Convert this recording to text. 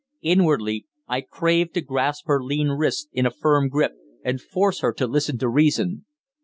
Inwardly I craved to grasp her lean wrists in a firm grip, and force her to listen to reason.